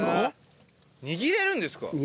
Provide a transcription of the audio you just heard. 握れるんですか？